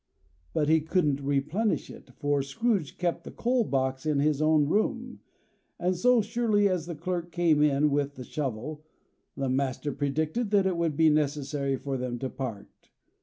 But he couldn't replenish it, for Scrooge kept the coal box in his own room; and so surely as the clerk came in with the shovel, the master predicted that it would be necessary for them to part.